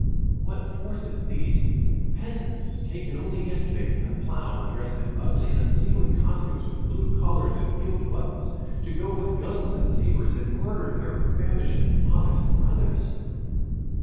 What forces these peasants, taken only yesterday from the plow and dressed in ugly and unseemly costumes with blue collars and gilt buttons, to go with guns and sabers and murder their famishing fathers and brothers?